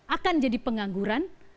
akan jadi pengangguran